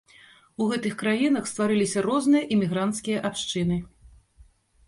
У гэтых краінах стварыліся розныя эмігранцкія абшчыны.